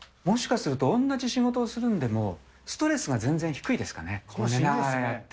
もしかすると、同じ仕事をするんでも、ストレスが全然低いですかね。